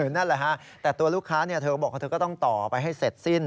นั่นแหละฮะแต่ตัวลูกค้าเธอบอกว่าเธอก็ต้องต่อไปให้เสร็จสิ้น